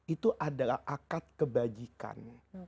itu adalah akad kebajikan